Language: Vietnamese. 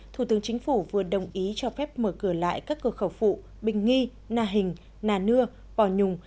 thủ tướng chính phủ vừa đồng ý cho phép mở cửa lại các cửa khẩu phụ bình nghi na hình na nưa pò nhùng